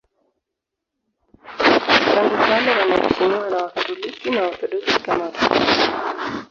Tangu kale wanaheshimiwa na Wakatoliki na Waorthodoksi kama watakatifu.